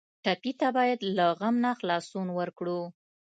ټپي ته باید له غم نه خلاصون ورکړو.